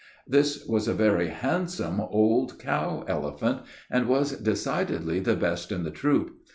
This was a very handsome old cow elephant, and was decidedly the best in the troop.